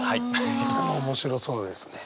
それも面白そうですね。